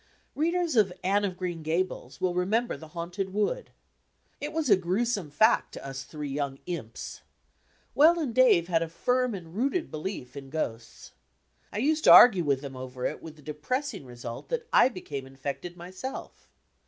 Readers of Anne of Grttn Gables will remember the Haunted Wood. It was a gruesome fact to us three young imps. Well and Dave had a firm and rooted belief in ghosts. I used to argue with them over it with the depressing result that I became infected myself.